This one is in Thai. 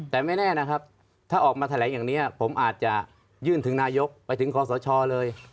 แต่ไม่แน่นะครับถ้าออกมาแถลงอย่างนี้ผมอาจจะยื่นถึงนายกไปถึงคอสชเลย